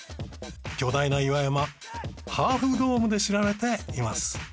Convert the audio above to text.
巨大な岩山ハーフドームで知られています。